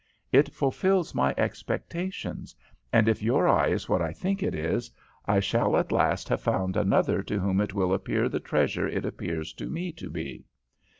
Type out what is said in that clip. It fulfils my expectations, and if your eye is what I think it is, I shall at last have found another to whom it will appear the treasure it appears to me to be.